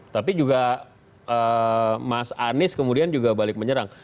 tapi juga mas anies kemudian juga balik menyerang